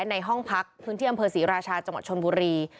ในห้องพักพื้นที่อำเภอศรีราชาจังหวัดชนบุรี